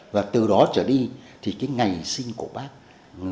và từ đó trở đi thì cái ngày sinh của bác một mươi chín tháng năm đó ta nhớ là ngày kỳ đó